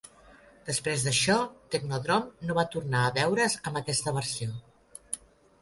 Després d'això, Technodrome no va tornar a veure's amb aquesta versió.